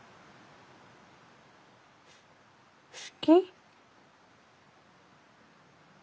好き？